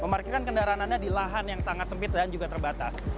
memarkirkan kendaraan anda di lahan yang sangat sempit dan juga terbatas